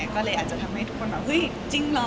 ก็เลยอาจจะทำให้ทุกคนแบบเฮ้ยจริงเหรอ